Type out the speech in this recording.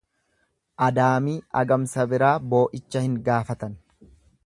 Adaamii agamsa biraa boo'icha hin gaafatan.